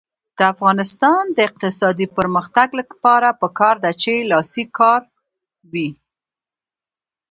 د افغانستان د اقتصادي پرمختګ لپاره پکار ده چې لاسي کار وي.